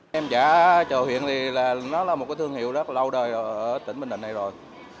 nêm chả chợ huyện thì nó là một cái thương hiệu rất là lâu đời ở tỉnh bình định này rồi